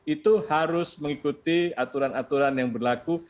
itu harus mengikuti aturan aturan yang berlaku